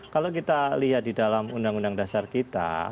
kalau kita lihat di dalam undang undang dasar kita